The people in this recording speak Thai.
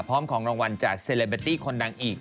พร้อมของรางวัลจากเซเลเบตตี้คนดังอีก